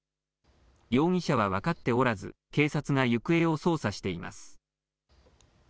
容疑者は分かっておらず警察が行方を捜査しています。